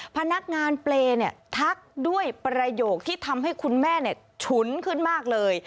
พนักงานเปรย์ทักด้วยประโยคที่ทำให้คุณแม่ฉุนขึ้นมากเลย